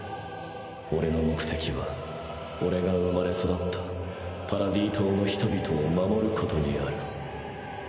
オレの目的はオレが生まれ育ったパラディ島の人々を守ることにある。